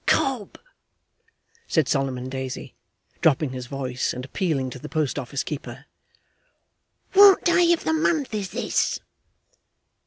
'Cobb,' said Solomon Daisy, dropping his voice and appealing to the post office keeper; 'what day of the month is this?